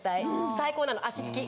最高なの足つき。